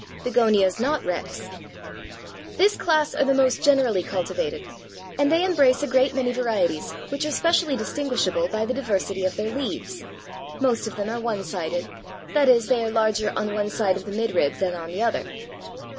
BEGONIAS, NOT REX. This class are the most generally cultivated, and they embrace a great many varieties, which are specially distinguishable by the diversity of their leaves. Most of them are one sided, that is, they are larger on one side of the mid rib than on the other.